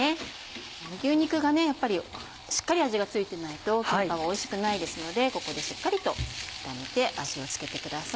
牛肉がやっぱりしっかり味が付いてないとキンパはおいしくないですのでここでしっかりと炒めて味を付けてください。